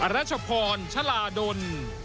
รัชพรชลาดล